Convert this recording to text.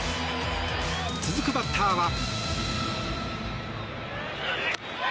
続くバッターは。